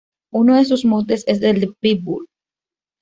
Uno de sus motes es el de 'Pitbull'.